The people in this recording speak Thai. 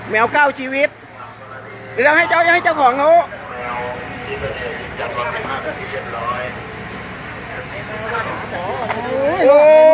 แมวเสียอาพิกัด